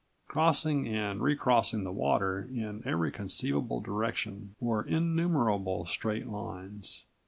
Crossing and recrossing the water in every conceivable direction were innumerable straight lines.